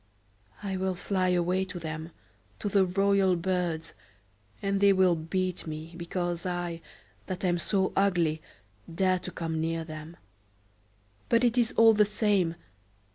"I will fly away to them, to the royal birds; and they will beat me, because I, that am so ugly, dare to come near them. But it is all the same.